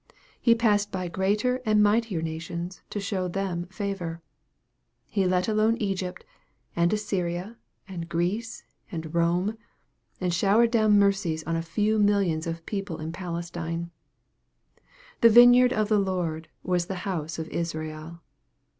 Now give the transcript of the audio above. He passed by greater and mightier nations to show them favor. He let alone Egypt, and Assyria, and Greece, and Borne, and showered down mercies on a few millions of people in Palestine. The vineyard of the Lord was the house of Israel.